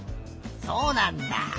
そうなんだ。